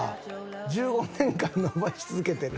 １５年間伸ばし続けてる。